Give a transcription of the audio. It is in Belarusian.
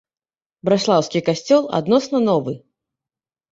Браслаўскі касцёл адносна новы.